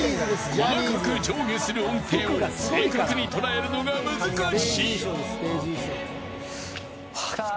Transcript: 細かく上下する音程を正確に捉えるのが難しい。